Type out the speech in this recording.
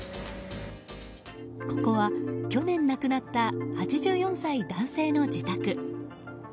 ここは、去年亡くなった８４歳男性の自宅。